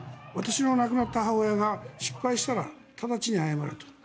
私の亡くなった母親が失敗したら直ちに謝れと。